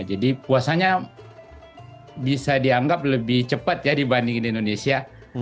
jadi puasanya bisa dianggap lebih cepat ya dibanding indonesia